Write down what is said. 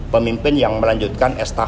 pemimpin yang melanjutkan